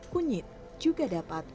kunyit juga dapat